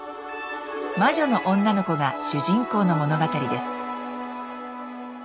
魔女の女の子が主人公の物語です。